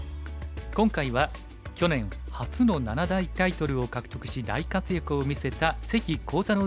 今回は去年初の七大タイトルを獲得し大活躍を見せた関航太郎